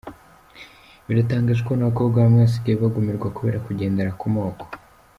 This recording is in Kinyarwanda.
Biratangaje kubona abakobwa bamwe basigaye bagumirwa kubera kugendera ku moko.